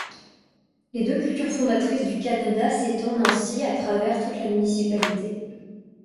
Les deux cultures fondatrices du Canada s'étendent ainsi à travers toute la municipalité.